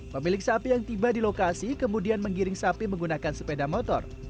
pemilik sapi yang tiba di lokasi kemudian menggiring sapi menggunakan sepeda motor